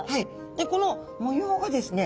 でこの模様がですね